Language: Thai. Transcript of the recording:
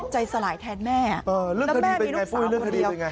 ใจสลายแทนแม่แล้วแม่มีลูกสาวคนเดียว